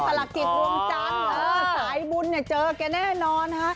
พี่โอมธลักษิตรุงจันทร์สายบุญเจอกันแน่นอน